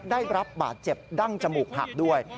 ได้รับบาดเจ็บดั้งจมูกหักด้วย